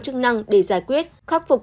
chức năng để giải quyết khắc phục